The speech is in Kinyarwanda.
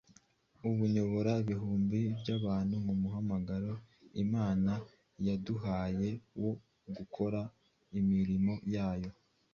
Ubu nyobora ibihumbi by’abantu mu muhamagaro Imana yaduhaye wo gokora umurimo wayo